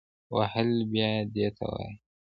وهل بیا دې ته وایي